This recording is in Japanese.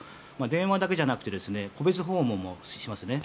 電話だけじゃなくて戸別訪問もしますね。